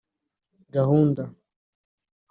‘Gahunda’